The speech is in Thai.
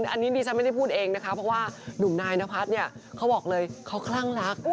อันนี้ดิฉันไม่ได้พูดเองนะคะเพราะว่าหนุ่มนายนพัฒน์เนี่ยเขาบอกเลยเขาคลั่งรัก